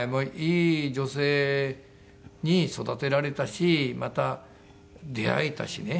いい女性に育てられたしまた出会えたしね。